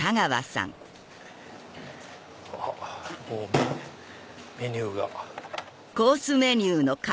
もうメニューが。